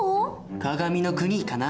鏡の国かな？